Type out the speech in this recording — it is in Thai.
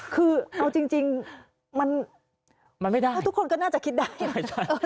คือเอาจริงมันมันไม่ได้ทุกคนก็น่าจะคิดได้ใช่ใช่